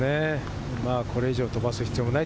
これ以上飛ばす必要もない。